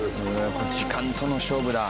時間との勝負だ。